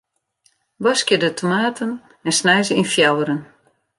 Waskje de tomaten en snij se yn fjouweren.